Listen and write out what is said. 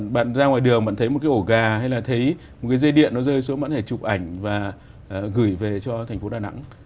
bạn ra ngoài đường bạn thấy một cái ổ gà hay là thấy một cái dây điện nó rơi xuống bạn phải chụp ảnh và gửi về cho thành phố đà nẵng